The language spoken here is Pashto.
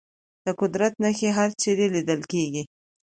د قدرت نښې هرچېرې لیدل کېږي.